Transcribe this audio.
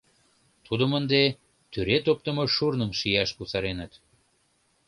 Тудым ынде тӱред оптымо шурным шияш кусареныт.